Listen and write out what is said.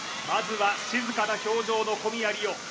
まずは静かな表情の小宮璃央